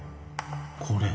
これ。